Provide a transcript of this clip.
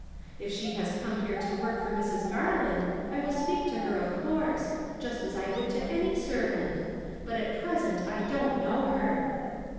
If she has come here to work for Mrs. Garland, I will speak to her, of course, just as I would to any servant ; but at present I don't know her."